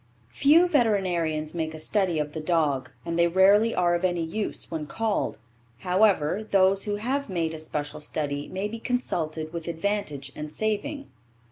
Few veterinarians make a study of the dog, and they rarely are of any use when called. However, those who have made a special study may be consulted with advantage and saving.